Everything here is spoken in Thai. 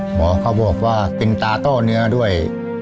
หมอเขาบอกว่าเป็นตาต้อเนื้อด้วย